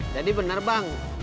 jadi bener bang